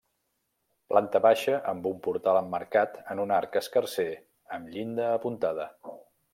Planta baixa amb un portal emmarcat en un arc escarser amb llinda apuntada.